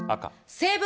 成分